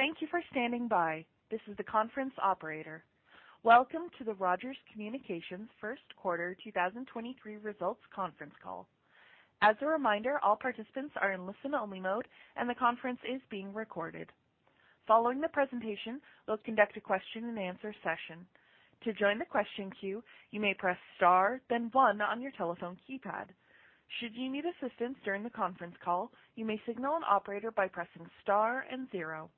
Thank you for standing by. This is the conference operator. Welcome to the Rogers Communications First Quarter 2023 Results conference call. As a reminder, all participants are in listen-only mode, and the conference is being recorded. Following the presentation, we'll conduct a question-and-answer session. To join the question queue, you may press star one on your telephone keypad. Should you need assistance during the conference call, you may signal an operator by pressing star zero.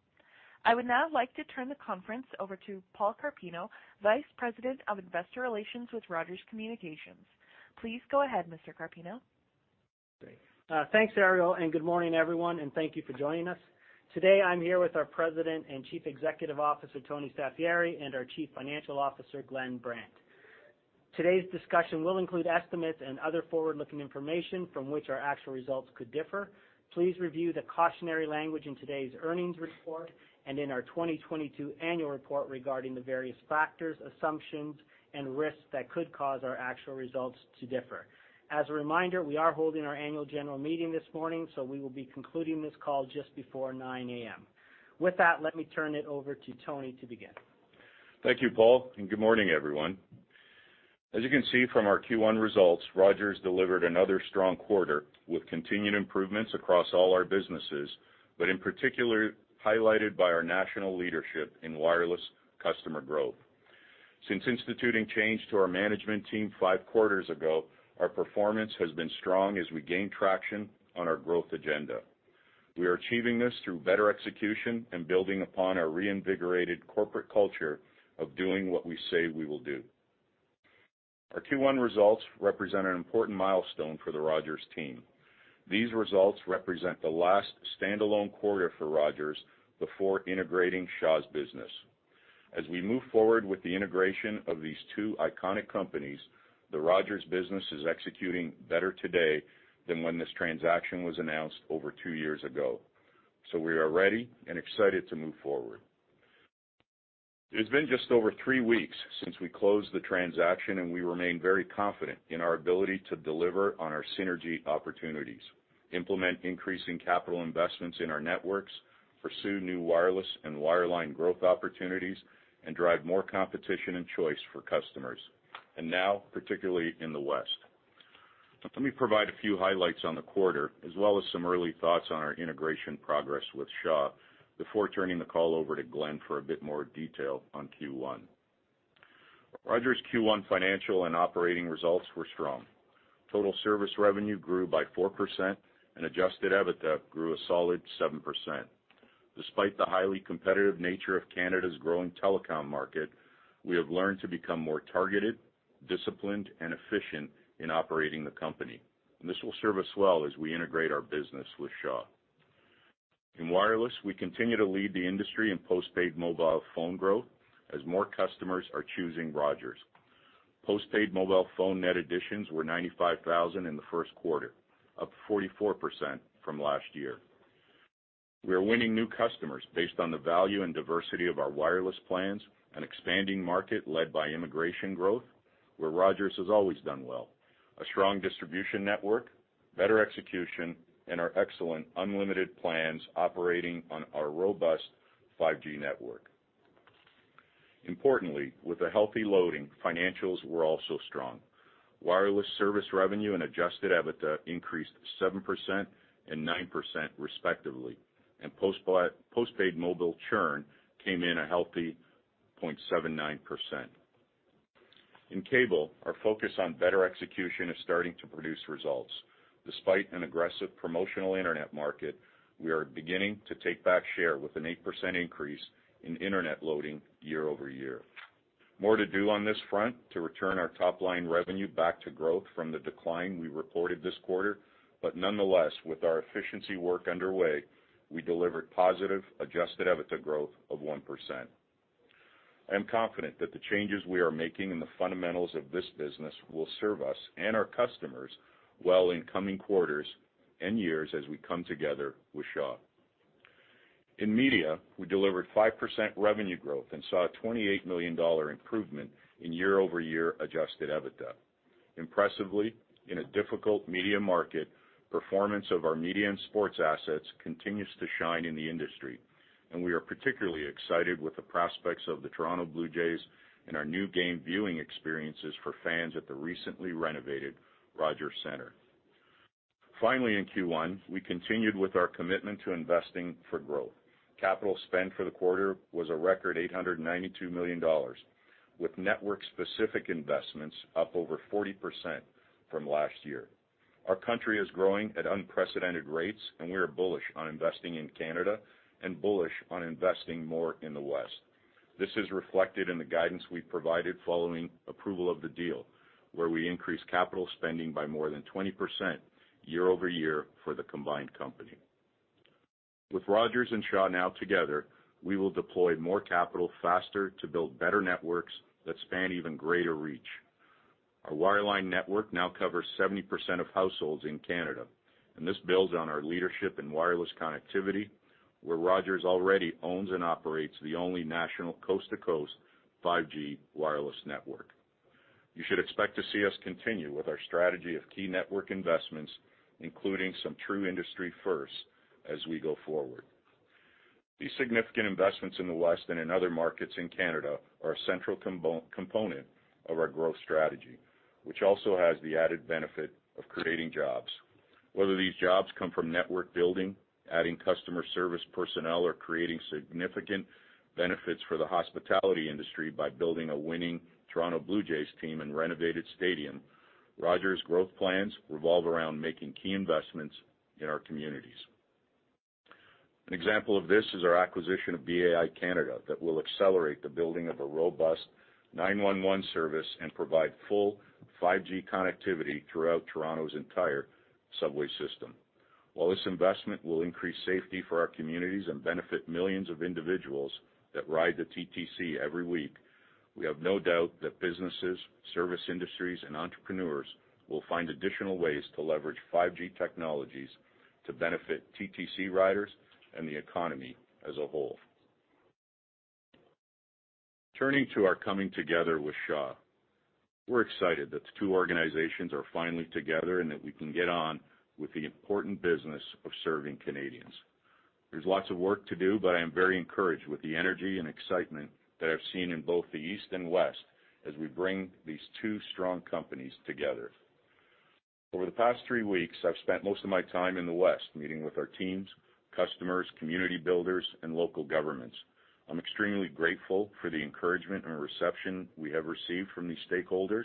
I would now like to turn the conference over to Paul Carpino, Vice President of Investor Relations with Rogers Communications. Please go ahead, Mr. Carpino. Thanks, Ariel, and good morning, everyone, and thank you for joining us. Today, I'm here with our President and Chief Executive Officer, Tony Staffieri, and our Chief Financial Officer, Glenn Brandt. Today's discussion will include estimates and other forward-looking information from which our actual results could differ. Please review the cautionary language in today's earnings report and in our 2022 annual report regarding the various factors, assumptions, and risks that could cause our actual results to differ. As a reminder, we are holding our annual general meeting this morning, so we will be concluding this call just before 9:00 A.M. With that, let me turn it over to Tony to begin. Thank you, Paul. Good morning, everyone. As you can see from our Q1 results, Rogers delivered another strong quarter with continued improvements across all our businesses, but in particular highlighted by our national leadership in wireless customer growth. Since instituting change to our management team five quarters ago, our performance has been strong as we gain traction on our growth agenda. We are achieving this through better execution and building upon our reinvigorated corporate culture of doing what we say we will do. Our Q1 results represent an important milestone for the Rogers team. These results represent the last standalone quarter for Rogers before integrating Shaw's business. As we move forward with the integration of these two iconic companies, the Rogers business is executing better today than when this transaction was announced over two years ago. We are ready and excited to move forward. It's been just over three weeks since we closed the transaction, and we remain very confident in our ability to deliver on our synergy opportunities, implement increasing capital investments in our networks, pursue new wireless and wireline growth opportunities, and drive more competition and choice for customers, and now particularly in the West. Let me provide a few highlights on the quarter as well as some early thoughts on our integration progress with Shaw before turning the call over to Glenn for a bit more detail on Q1. Rogers' Q1 financial and operating results were strong. Total service revenue grew by 4%, Adjusted EBITDA grew a solid 7%. Despite the highly competitive nature of Canada's growing telecom market, we have learned to become more targeted, disciplined, and efficient in operating the company. This will serve us well as we integrate our business with Shaw. In wireless, we continue to lead the industry in postpaid mobile phone growth as more customers are choosing Rogers. Postpaid mobile phone net additions were 95,000 in the first quarter, up 44% from last year. We are winning new customers based on the value and diversity of our wireless plans, an expanding market led by immigration growth, where Rogers has always done well. A strong distribution network, better execution, and our excellent unlimited plans operating on our robust 5G network. Importantly, with a healthy loading, financials were also strong. Wireless service revenue and Adjusted EBITDA increased 7% and 9% respectively, and postpaid mobile churn came in a healthy 0.79%. In cable, our focus on better execution is starting to produce results. Despite an aggressive promotional Internet market, we are beginning to take back share with an 8% increase in Internet loading year-over-year. More to do on this front to return our top-line revenue back to growth from the decline we reported this quarter, but nonetheless, with our efficiency work underway, we delivered positive Adjusted EBITDA growth of 1%. I am confident that the changes we are making in the fundamentals of this business will serve us and our customers well in coming quarters and years as we come together with Shaw. In media, we delivered 5% revenue growth and saw a 28 million dollar improvement in year-over-year Adjusted EBITDA. Impressively, in a difficult media market, performance of our media and sports assets continues to shine in the industry, and we are particularly excited with the prospects of the Toronto Blue Jays and our new game viewing experiences for fans at the recently renovated Rogers Center. Finally, in Q1, we continued with our commitment to investing for growth. Capital spend for the quarter was a record 892 million dollars, with network-specific investments up over 40% from last year. Our country is growing at unprecedented rates, and we are bullish on investing in Canada and bullish on investing more in the West. This is reflected in the guidance we provided following approval of the deal, where we increased capital spending by more than 20% year-over-year for the combined company. With Rogers and Shaw now together, we will deploy more capital faster to build better networks that span even greater reach. Our wireline network now covers 70% of households in Canada. This builds on our leadership in wireless connectivity, where Rogers already owns and operates the only national coast-to-coast 5G wireless network. You should expect to see us continue with our strategy of key network investments, including some true industry firsts, as we go forward. These significant investments in the West and in other markets in Canada are a central component of our growth strategy, which also has the added benefit of creating jobs. Whether these jobs come from network building, adding customer service personnel, or creating significant benefits for the hospitality industry by building a winning Toronto Blue Jays team and renovated stadium, Rogers' growth plans revolve around making key investments in our communities. An example of this is our acquisition of BAI Canada that will accelerate the building of a robust 911 service and provide full 5G connectivity throughout Toronto's entire subway system. While this investment will increase safety for our communities and benefit millions of individuals that ride the TTC every week, we have no doubt that businesses, service industries, and entrepreneurs will find additional ways to leverage 5G technologies to benefit TTC riders and the economy as a whole. Turning to our coming together with Shaw. We're excited that the two organizations are finally together and that we can get on with the important business of serving Canadians. There's lots of work to do, but I am very encouraged with the energy and excitement that I've seen in both the East and West as we bring these two strong companies together. Over the past three weeks, I've spent most of my time in the West, meeting with our teams, customers, community builders, and local governments. I'm extremely grateful for the encouragement and reception we have received from these stakeholders,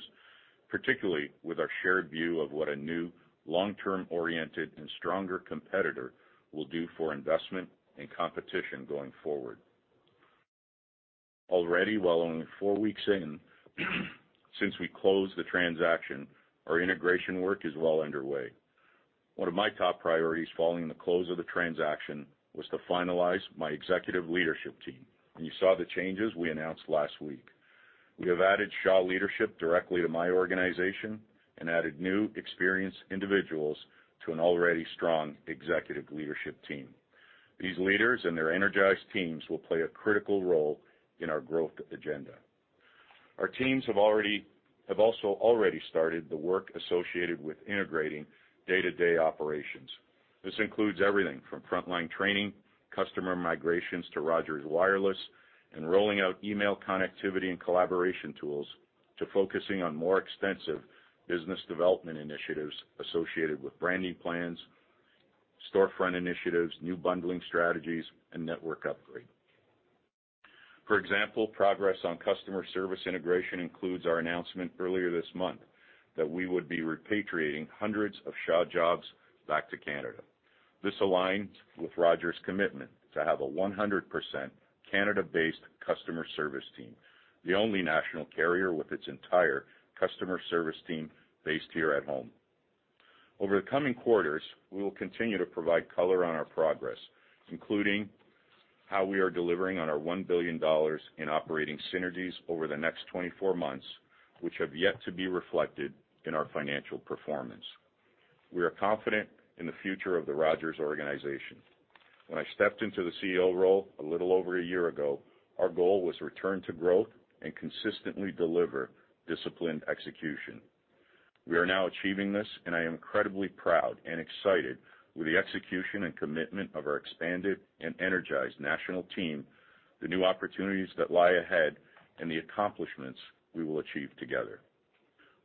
particularly with our shared view of what a new long-term oriented and stronger competitor will do for investment and competition going forward. Already, while only four weeks in since we closed the transaction, our integration work is well underway. One of my top priorities following the close of the transaction was to finalize my executive leadership team, and you saw the changes we announced last week. We have added Shaw leadership directly to my organization and added new experienced individuals to an already strong executive leadership team. These leaders and their energized teams will play a critical role in our growth agenda. Our teams have also already started the work associated with integrating day-to-day operations. This includes everything from frontline training, customer migrations to Rogers Wireless, rolling out email connectivity and collaboration tools to focusing on more extensive business development initiatives associated with brand new plans, storefront initiatives, new bundling strategies, and network upgrade. For example, progress on customer service integration includes our announcement earlier this month that we would be repatriating hundreds of Shaw jobs back to Canada. This aligns with Rogers' commitment to have a 100% Canada-based customer service team, the only national carrier with its entire customer service team based here at home. Over the coming quarters, we will continue to provide color on our progress, including how we are delivering on our $1 billion in operating synergies over the next 24 months, which have yet to be reflected in our financial performance. We are confident in the future of the Rogers organization. When I stepped into the CEO role a little over a year ago, our goal was to return to growth and consistently deliver disciplined execution. We are now achieving this, and I am incredibly proud and excited with the execution and commitment of our expanded and energized national team, the new opportunities that lie ahead, and the accomplishments we will achieve together.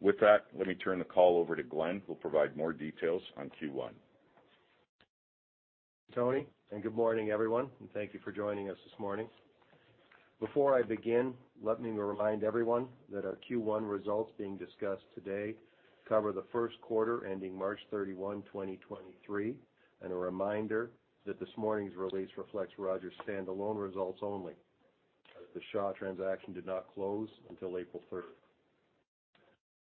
With that, let me turn the call over to Glenn, who'll provide more details on Q1. Tony, good morning, everyone, and thank you for joining us this morning. Before I begin, let me remind everyone that our Q1 results being discussed today cover the first quarter ending March 31, 2023, and a reminder that this morning's release reflects Rogers' standalone results only, as the Shaw transaction did not close until April 3.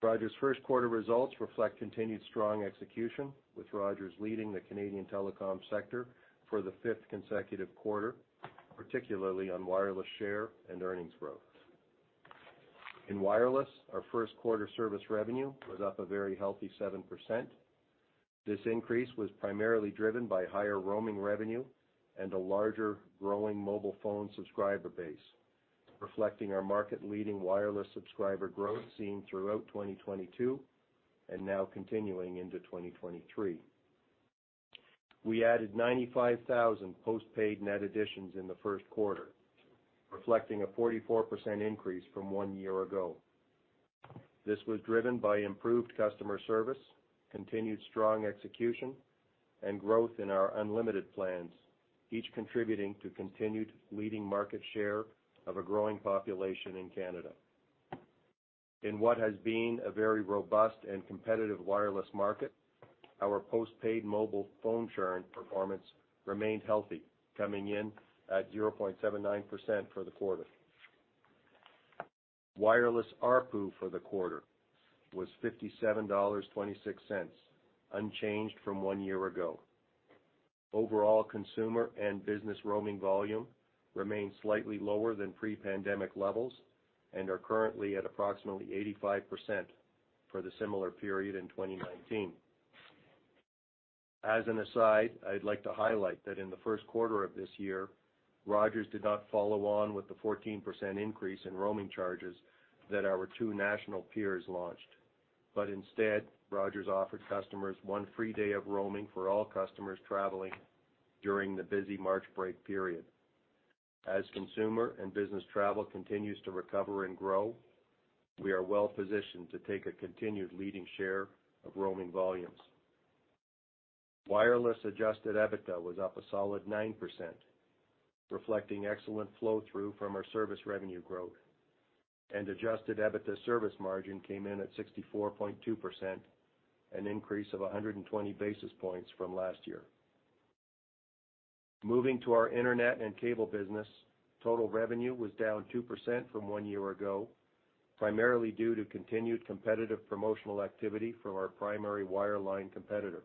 Rogers' first quarter results reflect continued strong execution, with Rogers leading the Canadian telecom sector for the fifth consecutive quarter, particularly on wireless share and earnings growth. In wireless, our first quarter service revenue was up a very healthy 7%. This increase was primarily driven by higher roaming revenue and a larger growing mobile phone subscriber base, reflecting our market-leading wireless subscriber growth seen throughout 2022 and now continuing into 2023. We added 95,000 postpaid net additions in the first quarter, reflecting a 44% increase from one year ago. This was driven by improved customer service, continued strong execution, and growth in our unlimited plans, each contributing to continued leading market share of a growing population in Canada. In what has been a very robust and competitive wireless market, our postpaid mobile phone churn performance remained healthy, coming in at 0.79% for the quarter. Wireless ARPU for the quarter was 57.26 dollars, unchanged from one year ago. Overall consumer and business roaming volume remains slightly lower than pre-pandemic levels and are currently at approximately 85% for the similar period in 2019. As an aside, I'd like to highlight that in the first quarter of this year, Rogers did not follow on with the 14% increase in roaming charges that our two national peers launched. Instead, Rogers offered customers one free day of roaming for all customers traveling during the busy March break period. As consumer and business travel continues to recover and grow, we are well-positioned to take a continued leading share of roaming volumes. Wireless Adjusted EBITDA was up a solid 9%, reflecting excellent flow through from our service revenue growth. Adjusted EBITDA service margin came in at 64.2%, an increase of 120 basis points from last year. Moving to our Internet and Cable business, total revenue was down 2% from one year ago, primarily due to continued competitive promotional activity from our primary wireline competitor.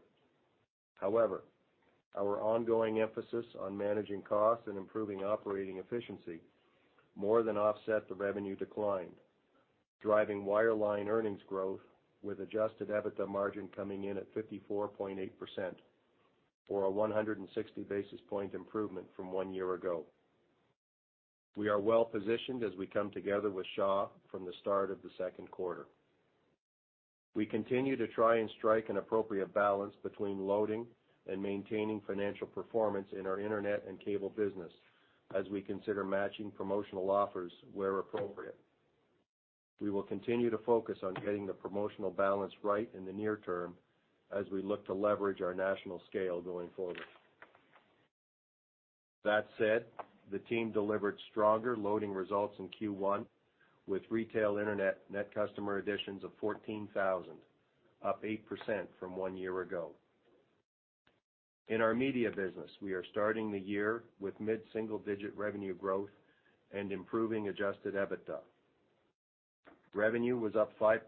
Our ongoing emphasis on managing costs and improving operating efficiency more than offset the revenue decline, driving wireline earnings growth with Adjusted EBITDA Margin coming in at 54.8% or a 160 basis point improvement from one year ago. We are well-positioned as we come together with Shaw from the start of the second quarter. We continue to try and strike an appropriate balance between loading and maintaining financial performance in our Internet and Cable business as we consider matching promotional offers where appropriate. We will continue to focus on getting the promotional balance right in the near term as we look to leverage our national scale going forward. That said, the team delivered stronger loading results in Q1 with retail internet net customer additions of 14,000, up 8% from one year ago. In our media business, we are starting the year with mid-single-digit revenue growth and improving Adjusted EBITDA. Revenue was up 5%,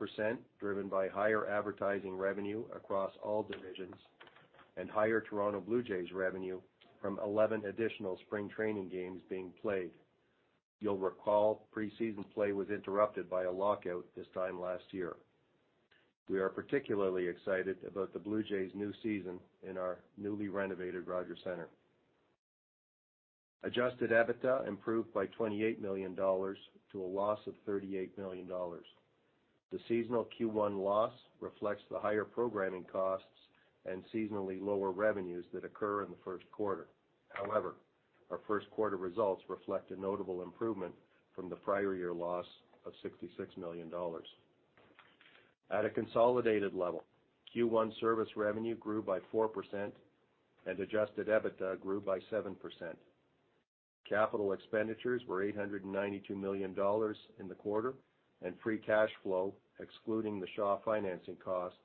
driven by higher advertising revenue across all divisions and higher Toronto Blue Jays revenue from 11 additional spring training games being played. You'll recall preseason play was interrupted by a lockout this time last year. We are particularly excited about the Blue Jays' new season in our newly renovated Rogers Center. Adjusted EBITDA improved by 28 million dollars to a loss of 38 million dollars. The seasonal Q1 loss reflects the higher programming costs and seasonally lower revenues that occur in the first quarter. However, our first quarter results reflect a notable improvement from the prior year loss of 66 million dollars. At a consolidated level, Q1 service revenue grew by 4% and Adjusted EBITDA grew by 7%. Capital expenditures were 892 million dollars in the quarter, and Free Cash Flow, excluding the Shaw financing costs,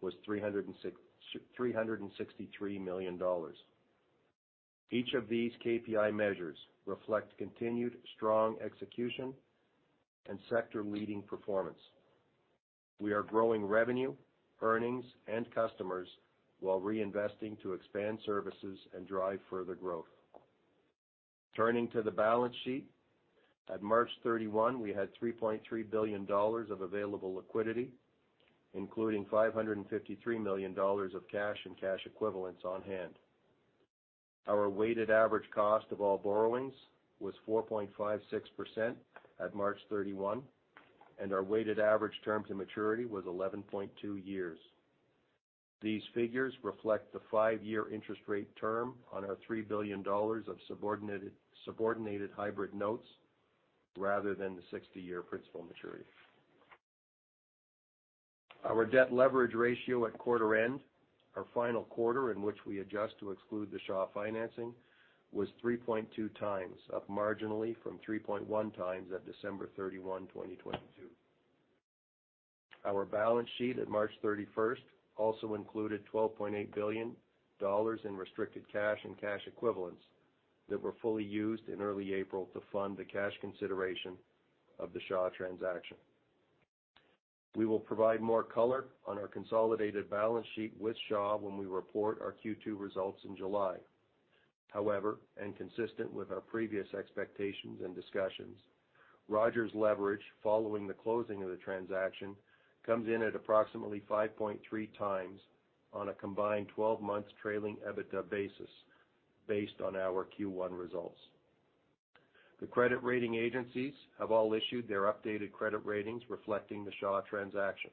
was 363 million dollars. Each of these KPI measures reflect continued strong execution and sector-leading performance. We are growing revenue, earnings, and customers while reinvesting to expand services and drive further growth. Turning to the balance sheet. At March 31, we had 3.3 billion dollars of available liquidity, including 553 million dollars of cash and cash equivalents on hand. Our weighted average cost of all borrowings was 4.56% at March 31, and our weighted average term to maturity was 11.2 years. These figures reflect the five-year interest rate term on our 3 billion dollars of subordinated hybrid notes rather than the 60-year principal maturity. Our debt leverage ratio at quarter end, our final quarter in which we adjust to exclude the Shaw financing, was 3.2x, up marginally from 3.1x at December 31, 2022. Our balance sheet at March 31st also included 12.8 billion dollars in restricted cash and cash equivalents that were fully used in early April to fund the cash consideration of the Shaw transaction. We will provide more color on our consolidated balance sheet with Shaw when we report our Q2 results in July. Consistent with our previous expectations and discussions, Rogers leverage following the closing of the transaction comes in at approximately 5.3x on a combined 12 months trailing EBITDA basis based on our Q1 results. The credit rating agencies have all issued their updated credit ratings reflecting the Shaw transaction.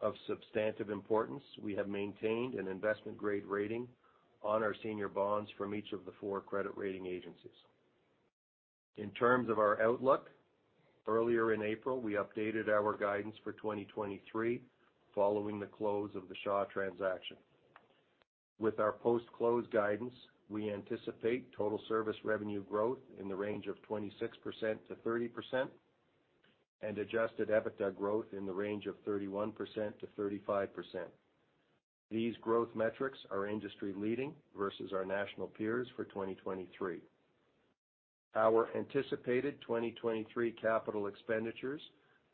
Of substantive importance, we have maintained an investment-grade rating on our senior bonds from each of the four credit rating agencies. In terms of our outlook, earlier in April, we updated our guidance for 2023 following the close of the Shaw transaction. With our post-close guidance, we anticipate total service revenue growth in the range of 26%-30% and Adjusted EBITDA growth in the range of 31%-35%. These growth metrics are industry-leading versus our national peers for 2023. Our anticipated 2023 capital expenditures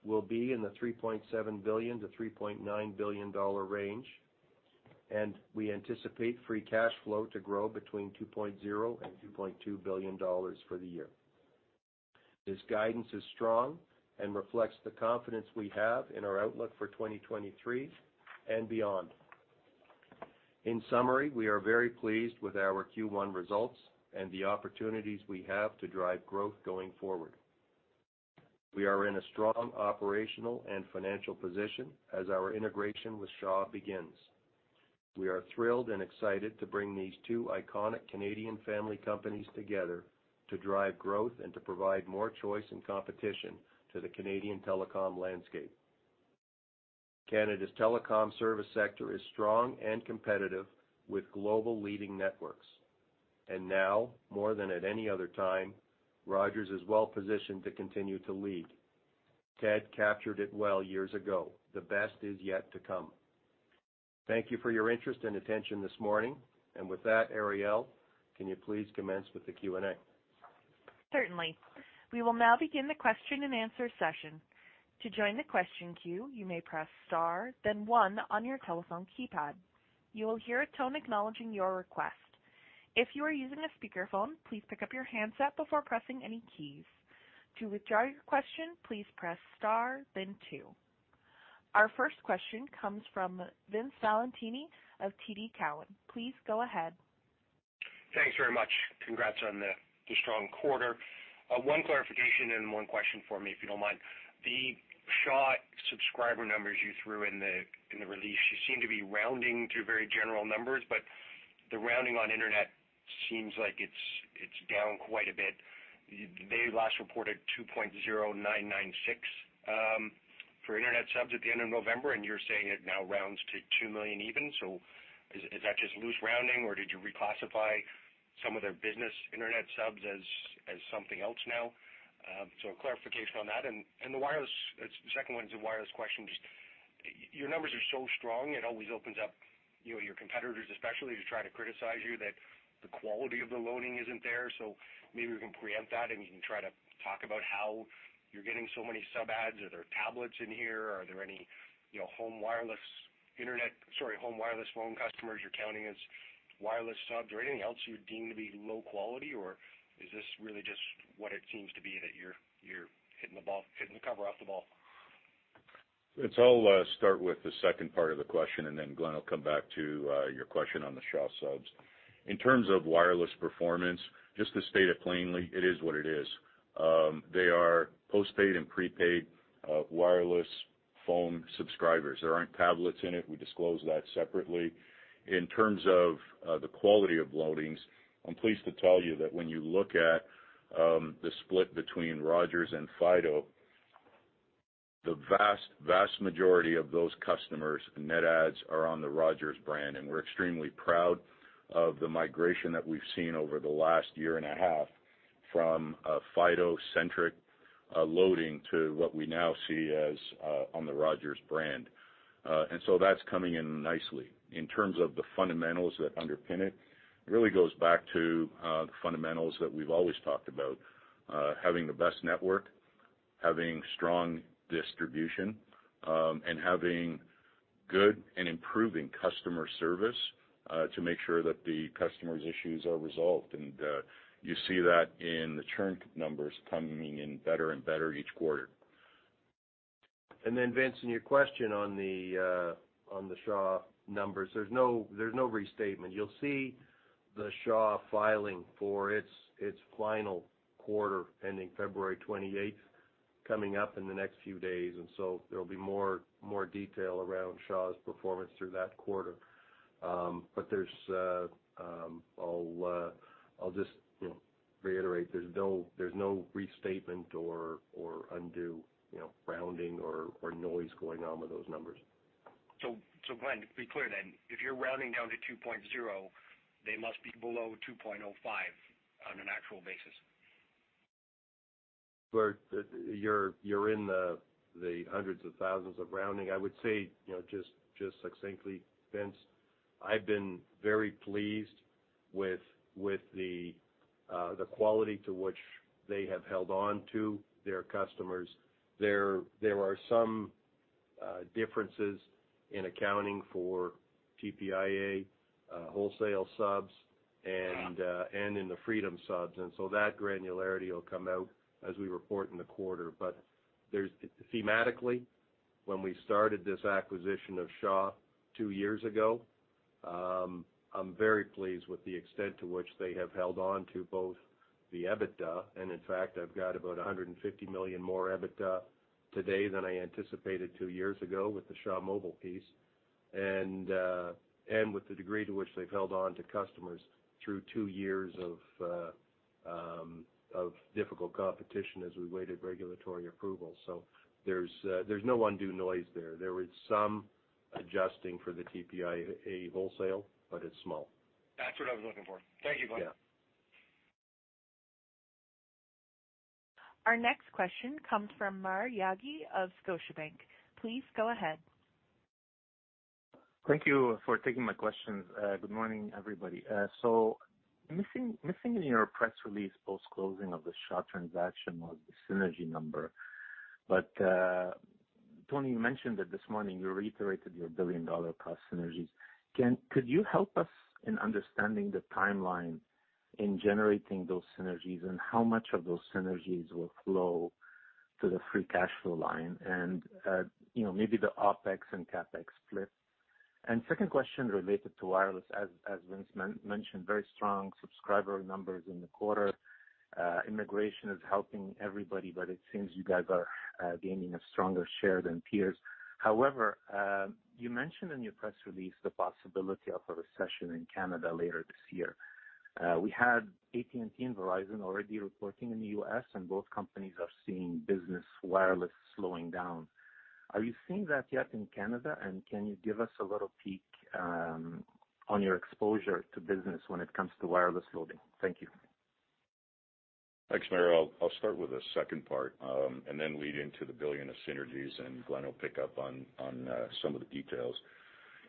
will be in the 3.7 billion-3.9 billion dollar range, and we anticipate Free Cash Flow to grow between 2.0 billion and 2.2 billion dollars for the year. This guidance is strong and reflects the confidence we have in our outlook for 2023 and beyond. In summary, we are very pleased with our Q1 results and the opportunities we have to drive growth going forward. We are in a strong operational and financial position as our integration with Shaw begins. We are thrilled and excited to bring these two iconic Canadian family companies together to drive growth and to provide more choice and competition to the Canadian telecom landscape. Canada's telecom service sector is strong and competitive with global leading networks. Now more than at any other time, Rogers is well positioned to continue to lead. Ted captured it well years ago. The best is yet to come. Thank you for your interest and attention this morning. With that, Ariel, can you please commence with the Q&A? Certainly. We will now begin the question-and-answer session. To join the question queue, you may press star then one on your telephone keypad. You will hear a tone acknowledging your request. If you are using a speakerphone, please pick up your handset before pressing any keys. To withdraw your question, please press star then two. Our first question comes from Vince Valentini of TD Cowen. Please go ahead. Thanks very much. Congrats on the strong quarter. One clarification and one question for me, if you don't mind. The Shaw subscriber numbers you threw in the release, you seem to be rounding to very general numbers, but the rounding on internet seems like it's down quite a bit. They last reported 2.0996 for internet subs at the end of November, and you're saying it now rounds to 2 million even. Is that just loose rounding or did you reclassify some of their business internet subs as something else now? Clarification on that. The wireless-- Second one is a wireless question. Just your numbers are so strong, it always opens up, you know, your competitors especially to try to criticize you that the quality of the loading isn't there. Maybe we can preempt that, and you can try to talk about how you're getting so many sub adds. Are there tablets in here? Are there any, you know, home wireless internet, sorry, home wireless phone customers you're counting as wireless subs or anything else you deem to be low quality? Is this really just what it seems to be that you're hitting the ball, hitting the cover off the ball? I'll start with the second part of the question, and then Glenn will come back to your question on the Shaw subs. In terms of wireless performance, just to state it plainly, it is what it is. They are postpaid and prepaid wireless phone subscribers. There aren't tablets in it. We disclose that separately. In terms of the quality of loadings, I'm pleased to tell you that when you look at the split between Rogers and Fido, the vast majority of those customers net adds are on the Rogers brand. We're extremely proud of the migration that we've seen over the last year and a half from a Fido-centric loading to what we now see as on the Rogers brand. That's coming in nicely. In terms of the fundamentals that underpin it really goes back to the fundamentals that we've always talked about, having the best network, having strong distribution, and having good and improving customer service, to make sure that the customer's issues are resolved. You see that in the churn numbers coming in better and better each quarter. Vince, in your question on the Shaw numbers, there's no restatement. You'll see the Shaw filing for its final quarter ending February 28th coming up in the next few days, there'll be more detail around Shaw's performance through that quarter. I'll just, you know, reiterate there's no restatement or undue, you know, rounding or noise going on with those numbers. So Glenn, to be clear then, if you're rounding down to 2.0, they must be below 2.05 on an actual basis. Well, you're in the hundreds of thousands of rounding. I would say, you know, just succinctly, Vince, I've been very pleased with the quality to which they have held on to their customers. There are some differences in accounting for TPIA wholesale subs and in the Freedom subs. That granularity will come out as we report in the quarter. Thematically, when we started this acquisition of Shaw two years ago, I'm very pleased with the extent to which they have held on to both the EBITDA, and in fact, I've got about 150 million more EBITDA today than I anticipated two years ago with the Shaw Mobile piece, and with the degree to which they've held on to customers through two years of difficult competition as we waited regulatory approval. There's no undue noise there. There is some adjusting for the TPIA wholesale, but it's small. That's what I was looking for. Thank you, Glenn. Yeah. Our next question comes from Maher Yaghi of Scotiabank. Please go ahead. Thank you for taking my questions. Good morning, everybody. Missing in your press release post-closing of the Shaw transaction was the synergy number. Tony, you mentioned that this morning, you reiterated your $1 billion cost synergies. Could you help us in understanding the timeline in generating those synergies and how much of those synergies will flow to the Free Cash Flow line and, you know, maybe the OpEx and CapEx split? Second question related to wireless. As Vince mentioned, very strong subscriber numbers in the quarter. Immigration is helping everybody, but it seems you guys are gaining a stronger share than peers. However, you mentioned in your press release the possibility of a recession in Canada later this year. We had AT&T and Verizon already reporting in the U.S., and both companies are seeing business wireless slowing down. Are you seeing that yet in Canada, and can you give us a little peek on your exposure to business when it comes to wireless loading? Thank you. Thanks, Maher. I'll start with the second part, and then lead into the $1 billion of synergies, and Glenn will pick up on some of the details.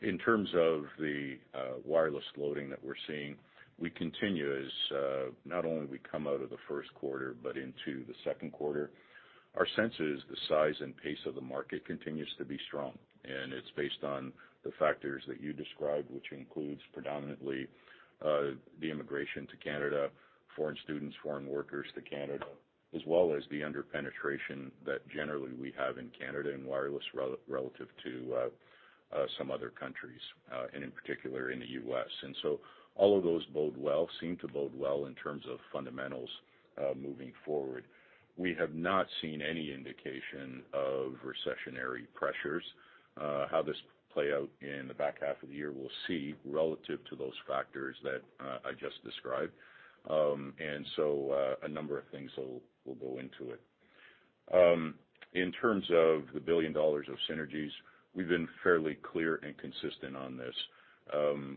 In terms of the wireless loading that we're seeing, we continue as not only we come out of the first quarter but into the second quarter. Our sense is the size and pace of the market continues to be strong, and it's based on the factors that you described, which includes predominantly the immigration to Canada, foreign students, foreign workers to Canada, as well as the under-penetration that generally we have in Canada in wireless relative to some other countries, and in particular in the U.S. All of those bode well, seem to bode well in terms of fundamentals moving forward. We have not seen any indication of recessionary pressures. How this play out in the back half of the year, we'll see relative to those factors that I just described. A number of things will go into it. In terms of the CAD 1 billion of synergies, we've been fairly clear and consistent on this.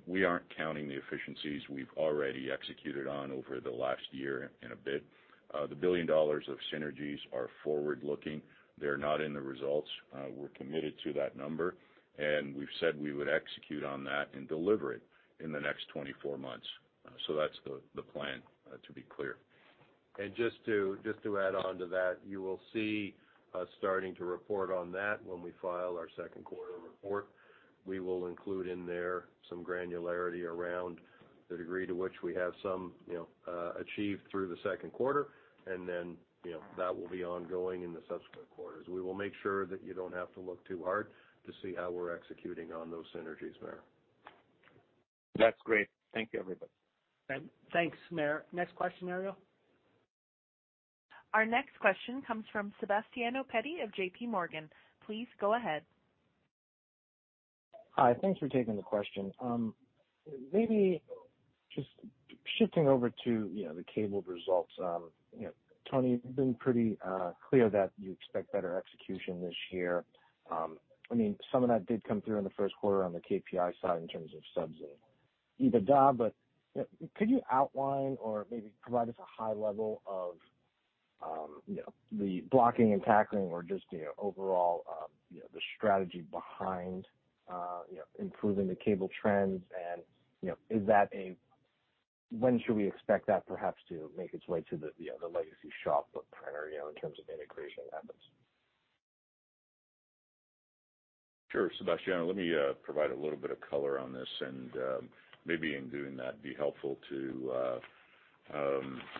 We aren't counting the efficiencies we've already executed on over the last year in a bit. The 1 billion dollars of synergies are forward-looking. They're not in the results. We're committed to that number, and we've said we would execute on that and deliver it in the next 24 months. That's the plan to be clear. Just to add on to that, you will see us starting to report on that when we file our second quarter report. We will include in there some granularity around the degree to which we have some, you know, achieved through the second quarter, and then, you know, that will be ongoing in the subsequent quarters. We will make sure that you don't have to look too hard to see how we're executing on those synergies, Maher. That's great. Thank you, everybody. Thanks, Maher. Next question, Ariel. Our next question comes from Sebastiano Petti of J.P. Morgan. Please go ahead. Hi. Thanks for taking the question. maybe just shifting over to, you know, the cable results. you know, Tony, you've been pretty clear that you expect better execution this year. I mean, some of that did come through in the first quarter on the KPI side in terms of subs and EBITDA, but, you know, could you outline or maybe provide us a high level of, you know, the blocking and tackling or just, you know, overall, you know, the strategy behind, you know, improving the cable trends? you know, When should we expect that perhaps to make its way to the other legacy Shopbook printer, you know, in terms of integration methods? Sure, Sebastiano. Let me provide a little bit of color on this, and maybe in doing that, be helpful to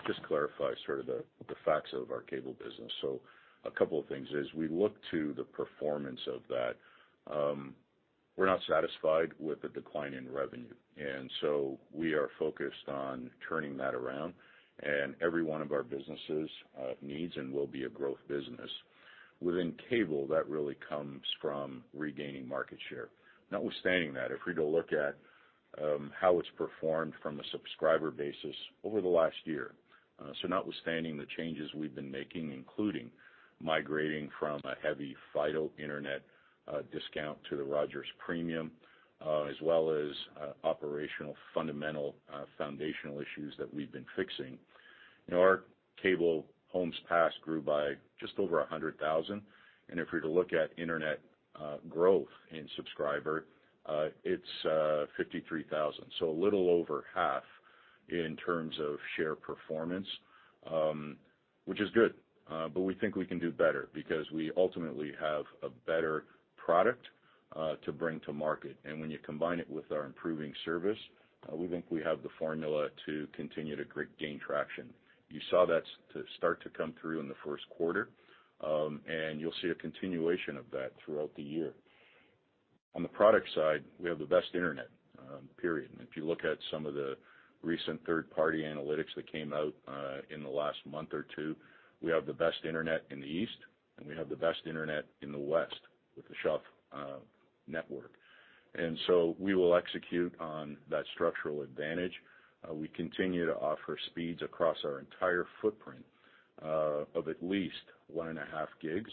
just clarify sort of the facts of our cable business. A couple of things. As we look to the performance of that, we're not satisfied with the decline in revenue. We are focused on turning that around, and every one of our businesses needs and will be a growth business. Within cable, that really comes from regaining market share. Notwithstanding that, if we're to look at how it's performed from a subscriber basis over the last year, notwithstanding the changes we've been making, including migrating from a heavy Fido Internet discount to the Rogers premium, as well as operational, fundamental, foundational issues that we've been fixing, you know, our cable homes passed grew by just over 100,000. If we're to look at internet growth in subscriber, it's 53,000, so a little over half in terms of share performance, which is good. We think we can do better because we ultimately have a better product to bring to market. When you combine it with our improving service, we think we have the formula to continue to gain traction. You saw that to start to come through in the first quarter, and you'll see a continuation of that throughout the year. On the product side, we have the best internet, period. If you look at some of the recent third-party analytics that came out in the last month or two, we have the best internet in the East, and we have the best internet in the West with the Shaw network. We will execute on that structural advantage. We continue to offer speeds across our entire footprint of at least 1.5 gigs,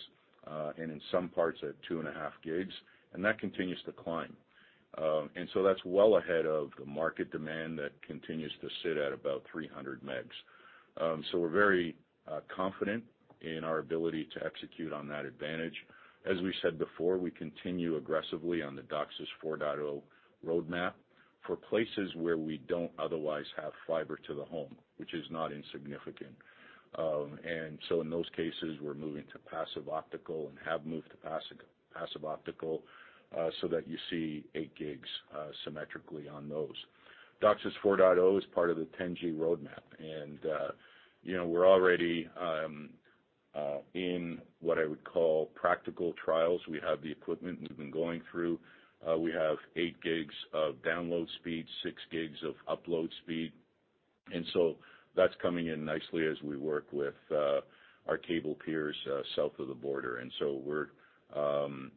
and in some parts at 2.5 gigs, and that continues to climb. That's well ahead of the market demand that continues to sit at about 300 megs. We're very confident in our ability to execute on that advantage. As we said before, we continue aggressively on the DOCSIS 4.0 roadmap. For places where we don't otherwise have fiber to the home, which is not insignificant. In those cases, we're moving to passive optical and have moved to passive optical, so that you see 8 gigs symmetrically on those. DOCSIS 4.0 is part of the 10G roadmap, you know, we're already in what I would call practical trials. We have the equipment we've been going through. We have 8 gigs of download speed, 6 gigs of upload speed. That's coming in nicely as we work with our cable peers south of the border. We're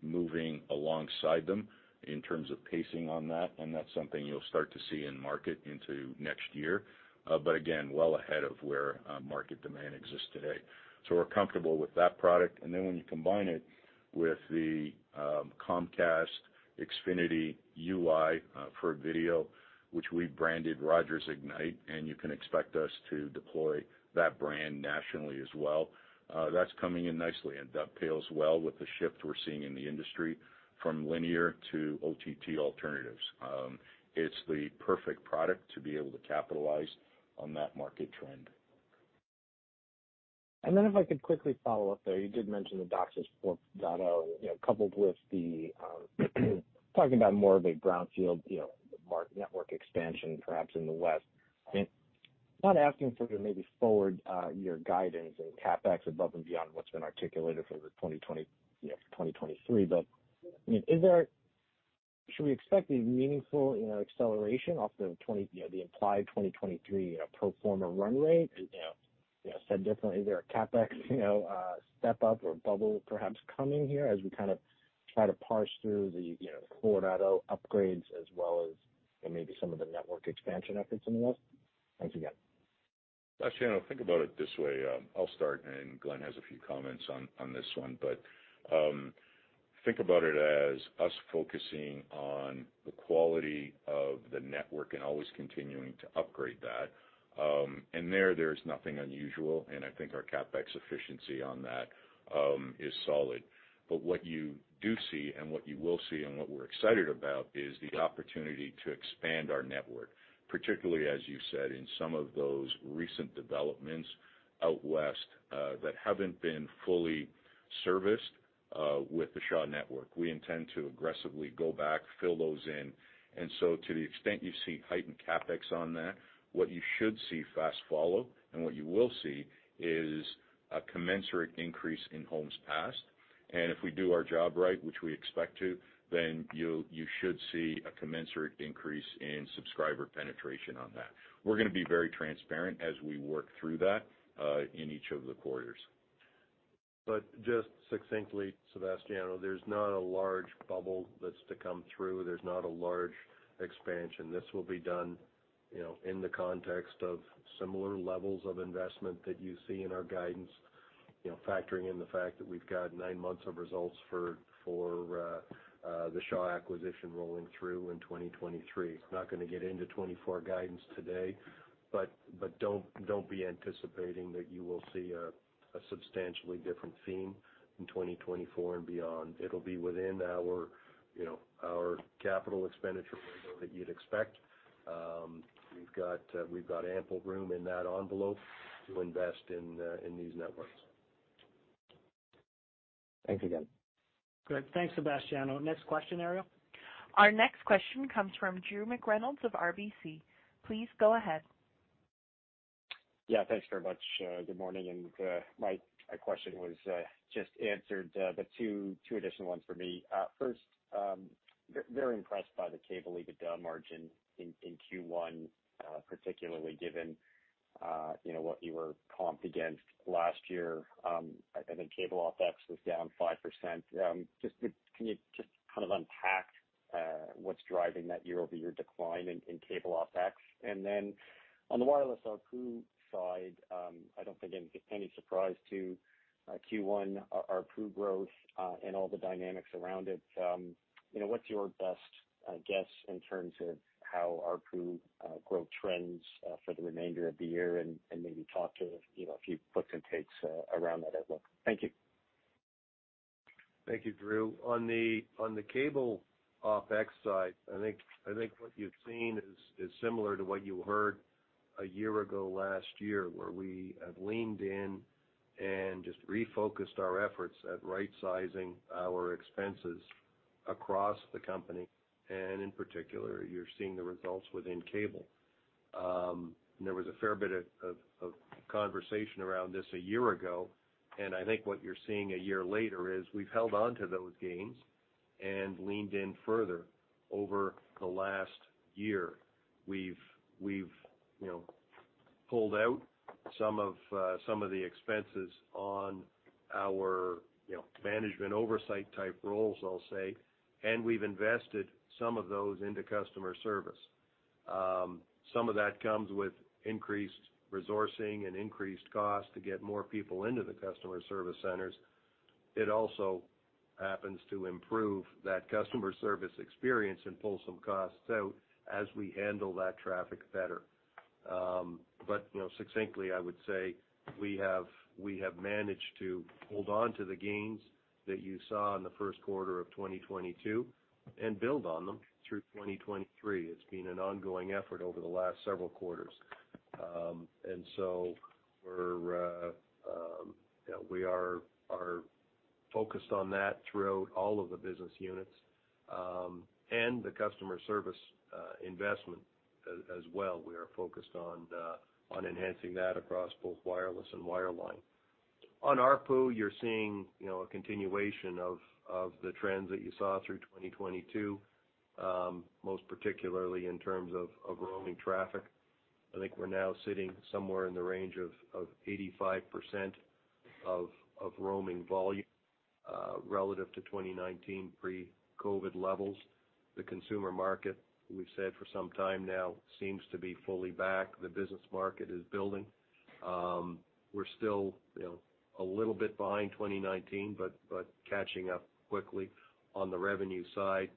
moving alongside them in terms of pacing on that, and that's something you'll start to see in market into next year, but again, well ahead of where market demand exists today. We're comfortable with that product. When you combine it with the Comcast Xfinity UI for video, which we've branded Rogers Ignite, and you can expect us to deploy that brand nationally as well, that's coming in nicely, and that pales well with the shift we're seeing in the industry from linear to OTT alternatives. It's the perfect product to be able to capitalize on that market trend. If I could quickly follow up there, you did mention the DOCSIS 4.0, you know, coupled with the, talking about more of a brownfield, you know, network expansion perhaps in the West? I'm not asking for your maybe forward year guidance and CapEx above and beyond what's been articulated for the 2020, you know, for 2023. I mean, should we expect a meaningful, you know, acceleration off the 20, you know, the implied 2023, you know, pro forma run rate? You know, said differently, is there a CapEx, you know, step-up or bubble perhaps coming here as we kind of try to parse through the, you know, Colorado upgrades as well as maybe some of the network expansion efforts in the West? Thanks again. Sebastiano, think about it this way. I'll start, and Glenn has a few comments on this one. Think about it as us focusing on the quality of the network and always continuing to upgrade that. There, there's nothing unusual, and I think our CapEx efficiency on that is solid. What you do see and what you will see and what we're excited about is the opportunity to expand our network, particularly, as you said, in some of those recent developments out West that haven't been fully serviced with the Shaw network. We intend to aggressively go back, fill those in. To the extent you see heightened CapEx on that, what you should see fast follow and what you will see is a commensurate increase in homes passed. If we do our job right, which we expect to, then you should see a commensurate increase in subscriber penetration on that. We're gonna be very transparent as we work through that, in each of the quarters. Just succinctly, Sebastiano, there's not a large bubble that's to come through. There's not a large expansion. This will be done, you know, in the context of similar levels of investment that you see in our guidance, you know, factoring in the fact that we've got nine months of results for the Shaw acquisition rolling through in 2023. Not gonna get into 2024 guidance today, but don't be anticipating that you will see a substantially different theme in 2024 and beyond. It'll be within our, you know, our capital expenditure window that you'd expect. We've got ample room in that envelope to invest in these networks. Thanks again. Good. Thanks, Sebastiano. Next question, Ariel. Our next question comes from Drew McReynolds of RBC. Please go ahead. Yeah, thanks very much. Good morning. My question was just answered, but two additional ones for me. First, very impressed by the cable EBITDA margin in Q1, particularly given, you know, what you were comped against last year. I think cable OpEx was down 5%. Can you just kind of unpack what's driving that year-over-year decline in cable OpEx? On the wireless ARPU side, I don't think any surprise to Q1 ARPU growth and all the dynamics around it. You know, what's your best guess in terms of how ARPU growth trends for the remainder of the year? Maybe talk to, you know, a few puts and takes around that as well. Thank you. Thank you, Drew. On the cable OpEx side, I think what you've seen is similar to what you heard a year ago last year, where we have leaned in and just refocused our efforts at right-sizing our expenses across the company, and in particular, you're seeing the results within cable. There was a fair bit of conversation around this a year ago, and I think what you're seeing a year later is we've held on to those gains and leaned in further over the last year. We've, you know, pulled out some of the expenses on our, you know, management oversight type roles, I'll say, and we've invested some of those into customer service. Some of that comes with increased resourcing and increased cost to get more people into the customer service centers. It also happens to improve that customer service experience and pull some costs out as we handle that traffic better. you know, succinctly, I would say we have managed to hold on to the gains that you saw in the first quarter of 2022 and build on them through 2023. It's been an ongoing effort over the last several quarters. we're, you know, we are focused on that throughout all of the business units, and the customer service, investment as well. We are focused on enhancing that across both wireless and wireline. On ARPU, you're seeing, you know, a continuation of the trends that you saw through 2022, most particularly in terms of roaming traffic. I think we're now sitting somewhere in the range of 85% of roaming volume relative to 2019 pre-COVID levels. The consumer market, we've said for some time now, seems to be fully back. The business market is building. We're still, you know, a little bit behind 2019 but catching up quickly on the revenue side.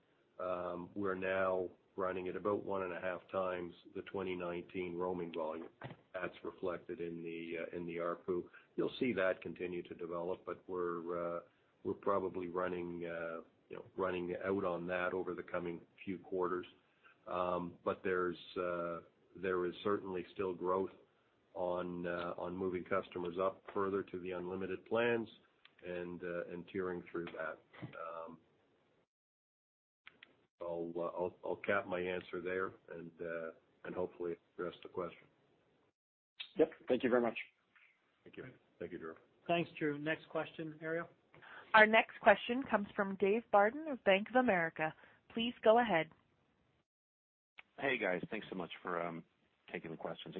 We're now running at about 1.5x the 2019 roaming volume that's reflected in the ARPU. You'll see that continue to develop, but we're probably running, you know, running out on that over the coming few quarters. There's certainly still growth on moving customers up further to the unlimited plans and tiering through that. I'll cap my answer there and hopefully it addressed the question. Yep. Thank you very much. Thank you. Thank you, Drew. Thanks, Drew. Next question, Ariel. Our next question comes from Dave Barden of Bank of America. Please go ahead. Hey, guys. Thanks so much for taking the questions. I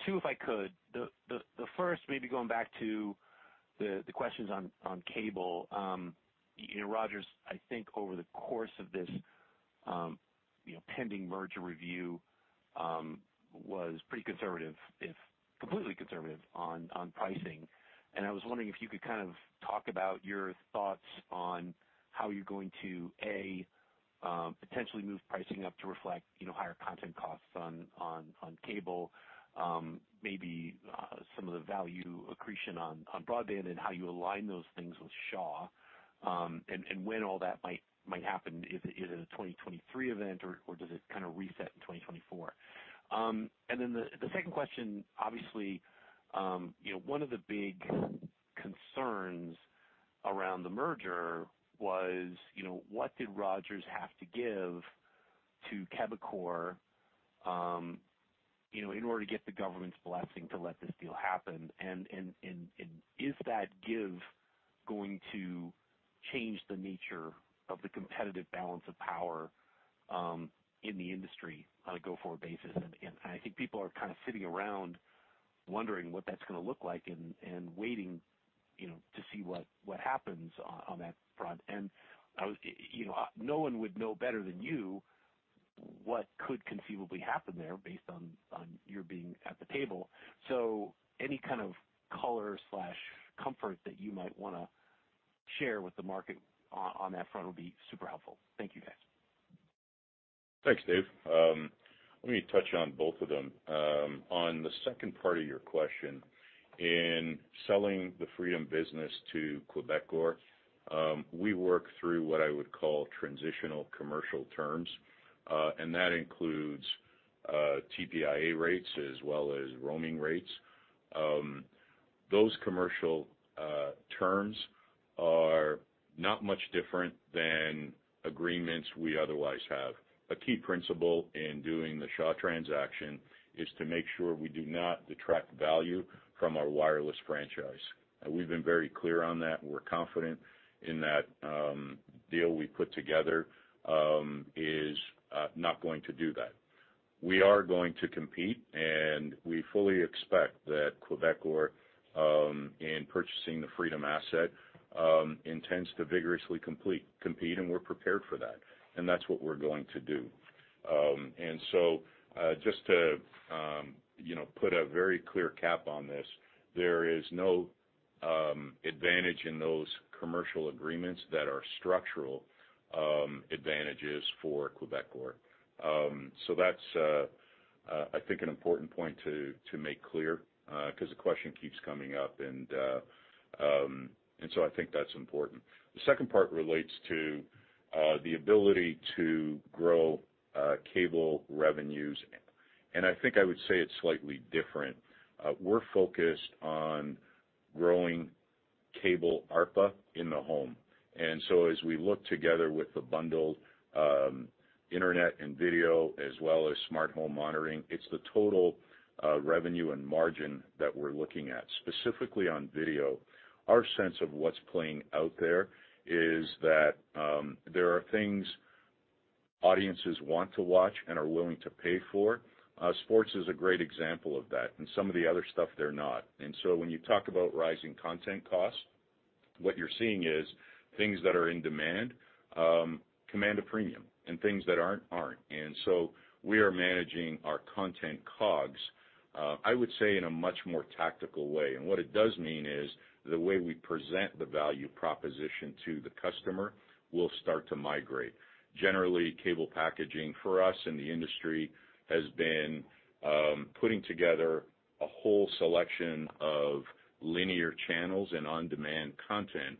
guess two, if I could. The first maybe going back to the questions on cable. You know, Rogers, I think over the course of this, you know, pending merger review, was pretty conservative completely conservative on pricing. I was wondering if you could kind of talk about your thoughts on how you're going to, A, potentially move pricing up to reflect, you know, higher content costs on cable, maybe some of the value accretion on broadband and how you align those things with Shaw, and when all that might happen. Is it a 2023 event or does it kinda reset in 2024? Then the second question, obviously, one of the big concerns around the merger was what did Rogers have to give to Quebecor in order to get the government's blessing to let this deal happen? Is that give going to change the nature of the competitive balance of power in the industry on a go-forward basis? I think people are kind of sitting around wondering what that's gonna look like and waiting to see what happens on that front. I was, you know, no one would know better than you what could conceivably happen there based on your being at the table. Any kind of color/comfort that you might wanna share with the market on that front would be super helpful. Thank you, guys. Thanks, Dave. Let me touch on both of them. On the second part of your question, in selling the Freedom business to Quebecor, we work through what I would call transitional commercial terms, and that includes TPIA rates as well as roaming rates. Those commercial terms are not much different than agreements we otherwise have. A key principle in doing the Shaw transaction is to make sure we do not detract value from our wireless franchise. We've been very clear on that. We're confident in that deal we put together is not going to do that. We are going to compete, and we fully expect that Quebecor in purchasing the Freedom asset intends to vigorously compete, we're prepared for that. That's what we're going to do. Just to, you know, put a very clear cap on this, there is no advantage in those commercial agreements that are structural advantages for Quebecor. That's I think an important point to make clear 'cause the question keeps coming up, I think that's important. The second part relates to the ability to grow cable revenues. I think I would say it's slightly different. We're focused on growing cable ARPA in the home. As we look together with the bundled internet and video as well as Smart Home Monitoring, it's the total revenue and margin that we're looking at. Specifically on video, our sense of what's playing out there is that there are things audiences want to watch and are willing to pay for. Sports is a great example of that, some of the other stuff they're not. When you talk about rising content costs, what you're seeing is things that are in demand, command a premium and things that aren't. We are managing our content COGS, I would say in a much more tactical way. What it does mean is the way we present the value proposition to the customer will start to migrate. Generally, cable packaging for us in the industry has been putting together a whole selection of linear channels and on-demand content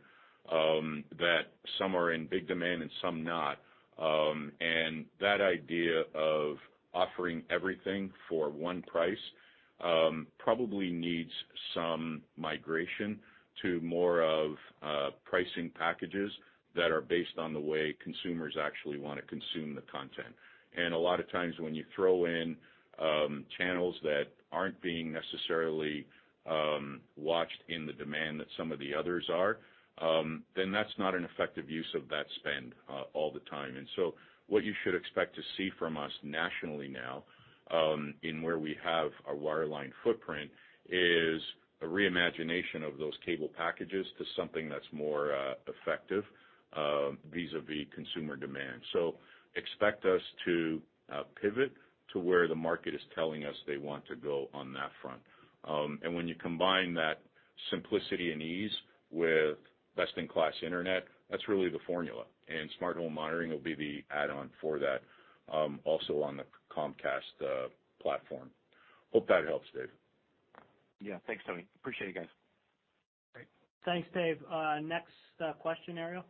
that some are in big demand and some not. That idea of offering everything for one price probably needs some migration to more of pricing packages that are based on the way consumers actually wanna consume the content. A lot of times when you throw in channels that aren't being necessarily watched in the demand that some of the others are, then that's not an effective use of that spend all the time. What you should expect to see from us nationally now in where we have a wireline footprint, is a re-imagination of those cable packages to something that's more effective vis-à-vis consumer demand. Expect us to pivot to where the market is telling us they want to go on that front. When you combine that simplicity and ease with best-in-class internet, that's really the formula. Smart Home Monitoring will be the add-on for that, also on the Comcast platform. Hope that helps, Dave. Yeah. Thanks, Tony. Appreciate it, guys. Great. Thanks, Dave. Next question, Ariel.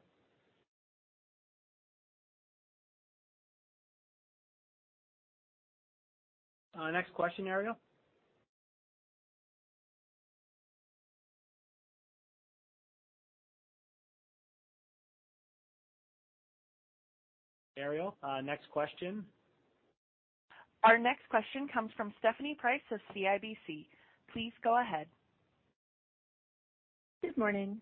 Ariel, next question. Our next question comes from Stephanie Price of CIBC. Please go ahead. Good morning.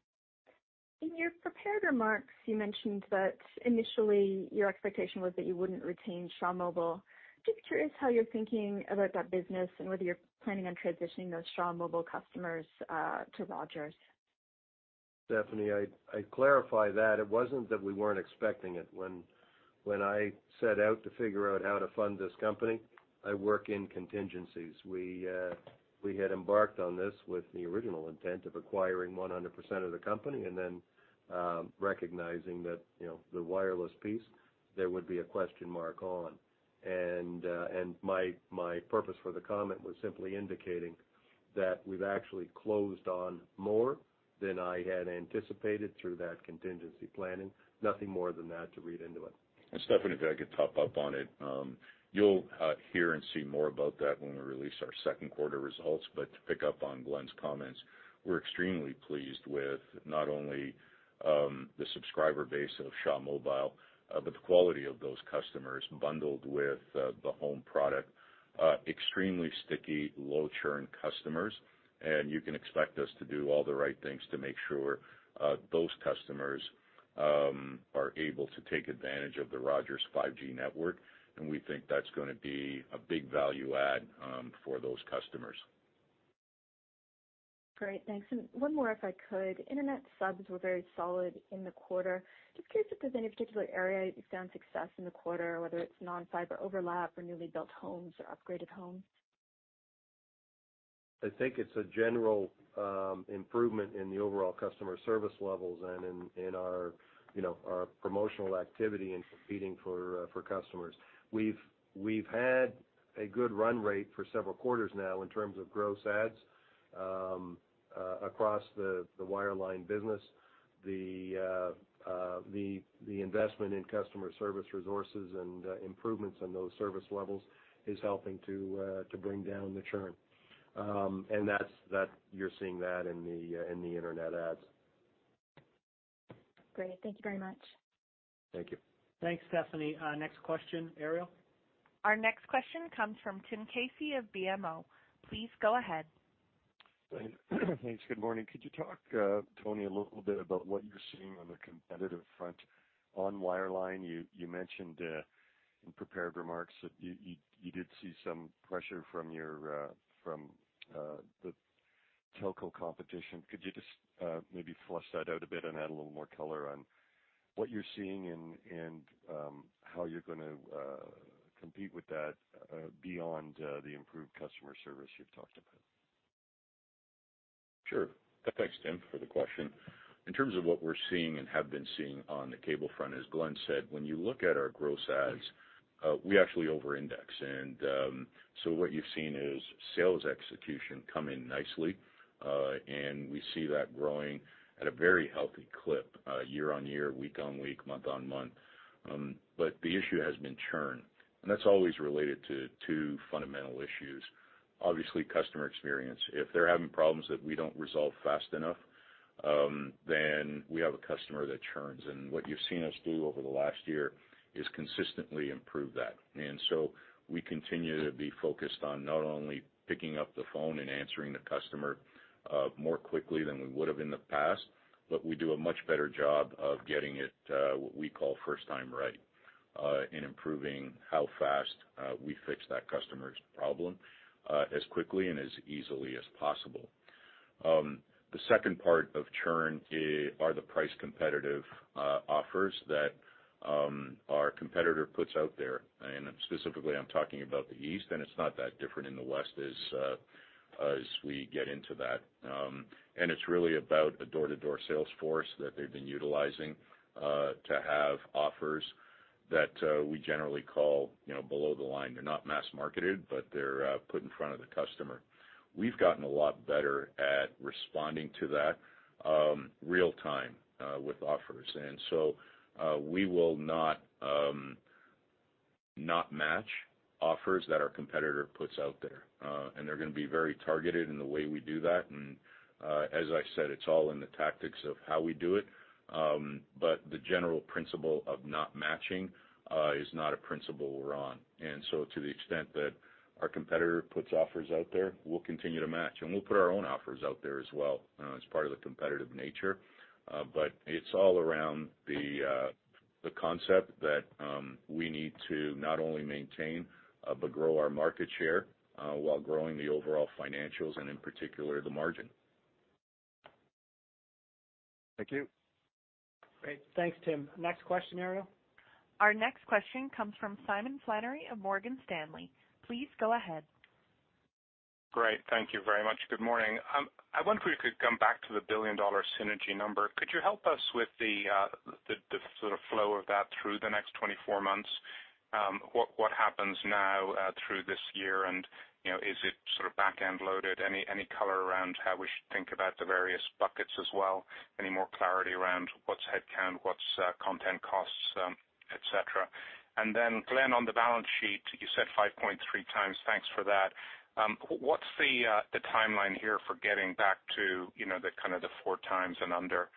In your prepared remarks, you mentioned that initially your expectation was that you wouldn't retain Shaw Mobile. Just curious how you're thinking about that business and whether you're planning on transitioning those Shaw Mobile customers to Rogers? Stephanie, I'd clarify that it wasn't that we weren't expecting it. When I set out to figure out how to fund this company, I work in contingencies. We had embarked on this with the original intent of acquiring 100% of the company and then, recognizing that, you know, the wireless piece there would be a question mark on. My purpose for the comment was simply indicating that we've actually closed on more than I had anticipated through that contingency planning. Nothing more than that to read into it. Stephanie, if I could top up on it. You'll hear and see more about that when we release our second quarter results. To pick up on Glenn's comments, we're extremely pleased with not only the subscriber base of Shaw Mobile, but the quality of those customers bundled with the home product. Extremely sticky, low churn customers. You can expect us to do all the right things to make sure those customers are able to take advantage of the Rogers 5G network, and we think that's gonna be a big value add for those customers. Great. Thanks. One more, if I could. Internet subs were very solid in the quarter. Just curious if there's any particular area you found success in the quarter, whether it's non-fiber overlap or newly built homes or upgraded homes? I think it's a general improvement in the overall customer service levels and in our, you know, our promotional activity in competing for customers. We've had a good run rate for several quarters now in terms of gross adds across the wireline business. The investment in customer service resources and improvements in those service levels is helping to bring down the churn. That's you're seeing that in the Internet adds. Great. Thank you very much. Thank you. Thanks, Stephanie. Next question, Ariel. Our next question comes from Tim Casey of BMO. Please go ahead. Thanks. Good morning. Could you talk Tony, a little bit about what you're seeing on the competitive front on wireline? You mentioned in prepared remarks that you did see some pressure from your from the telco competition. Could you just maybe flush that out a bit and add a little more color on what you're seeing and how you're gonna compete with that beyond the improved customer service you've talked about? Sure. Thanks, Tim, for the question. In terms of what we're seeing and have been seeing on the cable front, as Glenn said, when you look at our gross adds, we actually overindex. What you've seen is sales execution come in nicely. We see that growing at a very healthy clip, year-on-year, week-on-week, month-on-month. The issue has been churn, and that's always related to two fundamental issues. Obviously, customer experience. If they're having problems that we don't resolve fast enough, then we have a customer that churns. What you've seen us do over the last year is consistently improve that. We continue to be focused on not only picking up the phone and answering the customer, more quickly than we would have in the past, but we do a much better job of getting it, what we call first time right, in improving how fast we fix that customer's problem, as quickly and as easily as possible. The second part of churn are the price competitive offers that our competitor puts out there, and specifically, I'm talking about the East, and it's not that different in the West as we get into that. It's really about a door-to-door sales force that they've been utilizing to have offers that we generally call, you know, below the line. They're not mass-marketed, but they're put in front of the customer. We've gotten a lot better at responding to that real-time with offers. We will not not match offers that our competitor puts out there. They're gonna be very targeted in the way we do that. As I said, it's all in the tactics of how we do it. The general principle of not matching is not a principle we're on. To the extent that our competitor puts offers out there, we'll continue to match. We'll put our own offers out there as well, as part of the competitive nature. It's all around the concept that we need to not only maintain but grow our market share, while growing the overall financials and, in particular, the margin. Thank you. Great. Thanks, Tim. Next question, Ariel. Our next question comes from Simon Flannery of Morgan Stanley. Please go ahead. Great. Thank you very much. Good morning. I wonder if we could come back to the billion-dollar synergy number. Could you help us with the sort of flow of that through the next 24 months? What happens now through this year? You know, is it sort of back-end loaded? Any color around how we should think about the various buckets as well? Any more clarity around what's headcount, what's content costs, et cetera? Glen, on the balance sheet, you said 5.3x. Thanks for that. What's the timeline here for getting back to, you know, the kind of the 4x and under?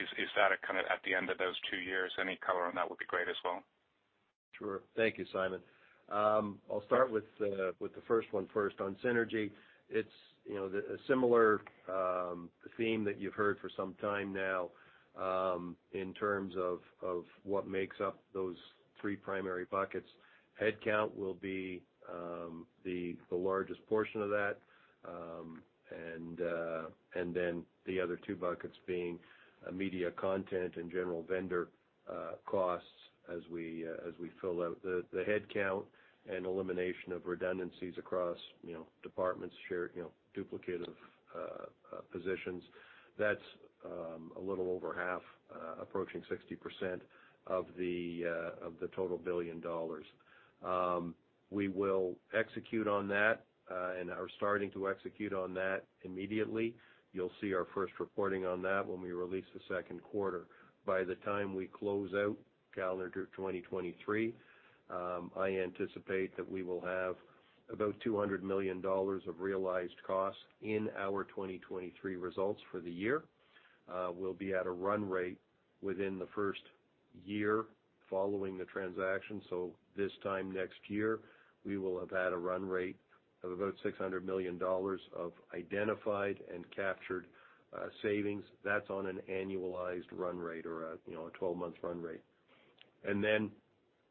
Is that a kind of at the end of those two years? Any color on that would be great as well. Sure. Thank you, Simon. I'll start with the first one first. On synergy, it's, you know, a similar theme that you've heard for some time now, in terms of what makes up those three primary buckets. Headcount will be the largest portion of that. The other two buckets being media content and general vendor costs as we fill out the headcount and elimination of redundancies across, you know, departments share, you know, duplicative positions. That's a little over half, approaching 60% of the total billion dollars. We will execute on that and are starting to execute on that immediately. You'll see our first reporting on that when we release the second quarter. By the time we close out calendar 2023, I anticipate that we will have about 200 million dollars of realized costs in our 2023 results for the year. We'll be at a run rate within the first year following the transaction. This time next year, we will have had a run rate of about 600 million dollars of identified and captured savings. That's on an annualized run rate or a, you know, a 12-month run rate. Then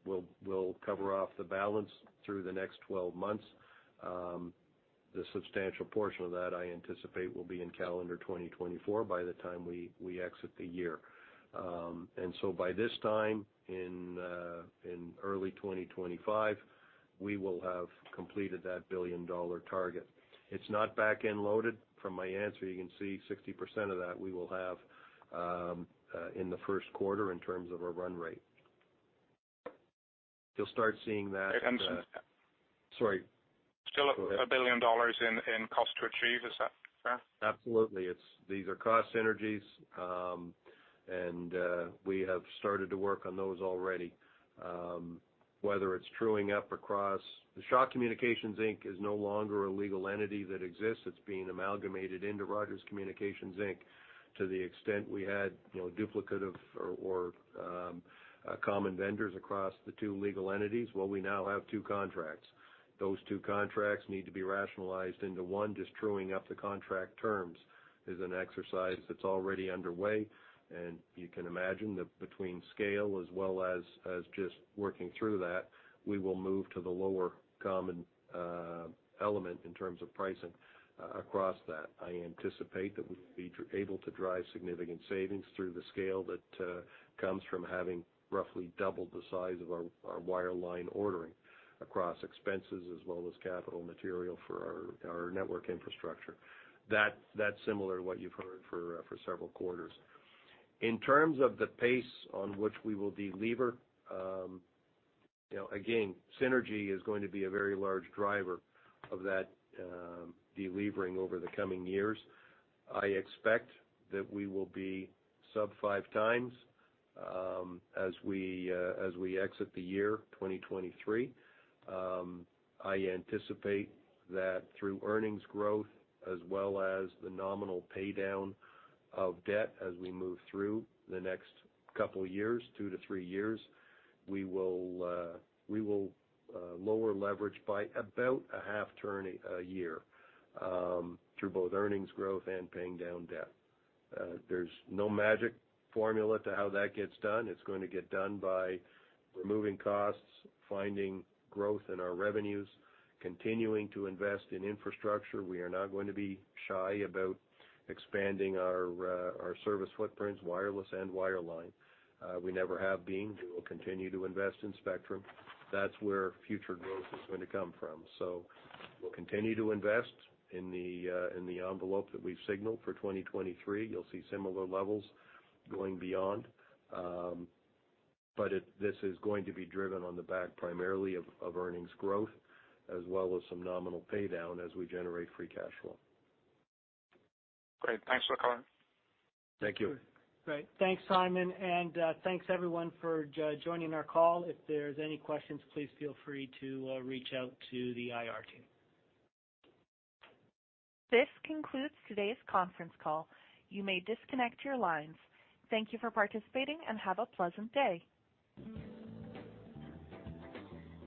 we'll cover off the balance through the next 12 months. The substantial portion of that I anticipate will be in calendar 2024 by the time we exit the year. By this time in early 2025, we will have completed that billion-dollar target. It's not back-end loaded. From my answer, you can see 60% of that we will have in the first quarter in terms of a run rate. You'll start seeing that. And, and- Sorry. Still 1 billion dollars in cost to achieve. Is that fair? Absolutely. These are cost synergies. We have started to work on those already. Whether it's truing up. Shaw Communications Inc. is no longer a legal entity that exists. It's being amalgamated into Rogers Communications Inc. To the extent we had, you know, duplicative or common vendors across the two legal entities, well, we now have two contracts. Those two contracts need to be rationalized into one. Just truing up the contract terms is an exercise that's already underway. You can imagine that between scale as well as just working through that, we will move to the lower common element in terms of pricing across that. I anticipate that we will be able to drive significant savings through the scale that comes from having roughly double the size of our wireline ordering across expenses as well as capital material for our network infrastructure. That's similar to what you've heard for several quarters. In terms of the pace on which we will delever, you know, again, synergy is going to be a very large driver of that delevering over the coming years. I expect that we will be sub 5x as we exit the year 2023. I anticipate that through earnings growth as well as the nominal paydown of debt as we move through the next couple of years, two to three years, we will lower leverage by about a half turn a year through both earnings growth and paying down debt. There's no magic formula to how that gets done. It's gonna get done by removing costs, finding growth in our revenues, continuing to invest in infrastructure. We are not going to be shy about expanding our service footprints, wireless and wireline. We never have been. We will continue to invest in spectrum. That's where future growth is gonna come from. We'll continue to invest in the envelope that we've signaled for 2023. You'll see similar levels going beyond. This is going to be driven on the back primarily of earnings growth as well as some nominal paydown as we generate Free Cash Flow. Great. Thanks for the color. Thank you. Great. Thanks, Simon. Thanks, everyone, for joining our call. If there's any questions, please feel free to reach out to the IR team. This concludes today's conference call. You may disconnect your lines. Thank you for participating, and have a pleasant day.